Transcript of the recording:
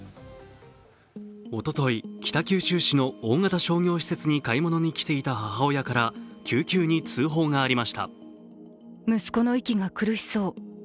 おととい、北九州市の大型商業施設に買い物に来ていた母親から救急に通報がありました。